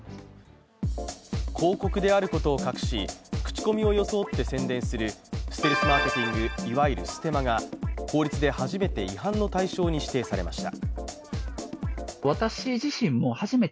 広告であることを隠し、口コミを装って宣伝するステルスマーケティング、いわゆるステマが法律で初めて違反の対象に指定されました。